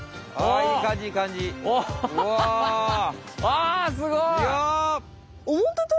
あすごい！